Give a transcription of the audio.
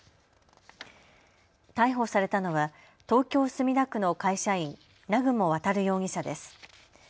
逮捕されたのは東京墨田区の会社員南雲航容疑者です。